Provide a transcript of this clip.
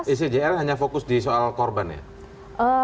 icjr hanya fokus di soal korban ya